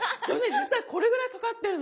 実際これぐらいかかってるの。